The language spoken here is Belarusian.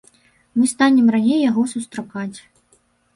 Мы станем раней яго сустракаць.